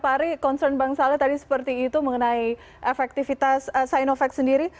pak ari concern bang saleh tadi seperti itu mengenai efektivitas sinovac sendiri